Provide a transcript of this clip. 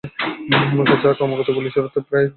তাছাড়া, এটা ক্রমাগত গুলি ছুড়তে গিয়ে প্রায়ই জ্যাম হয়ে যায়!